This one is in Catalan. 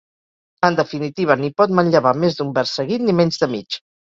En definitiva, ni pot manllevar més d'un vers seguit ni menys de mig.